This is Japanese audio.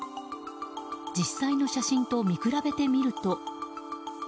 実際の写真と見比べてみると。